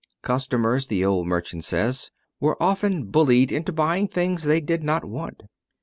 Customers, the old merchant says, were often bullied into buying things they did not want.